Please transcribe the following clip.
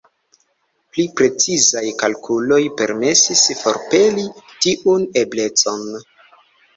Pli precizaj kalkuloj permesis forpeli tiun eblecon.